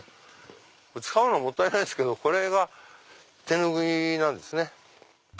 使うのもったいないですけどこれが手拭いなんですね。